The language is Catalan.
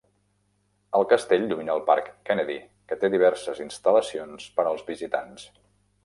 El castell domina el parc Kennedy, que té diverses instal·lacions per als visitants.